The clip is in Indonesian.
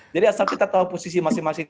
asal kita tahu posisi masing masing